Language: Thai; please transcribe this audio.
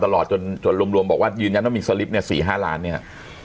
ตลอดจนถึงจนรวมรวมบอกว่ามีสลิปเนี้ยสี่ห้าล้านเนี้ย